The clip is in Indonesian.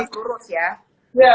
tegak lurus ya